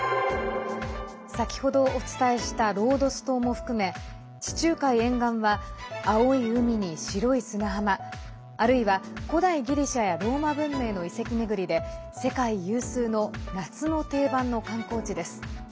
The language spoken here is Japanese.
先ほどお伝えしたロードス島も含め地中海沿岸は青い海に白い砂浜あるいは古代ギリシャやローマ文明の遺跡巡りで世界有数の夏の定番の観光地です。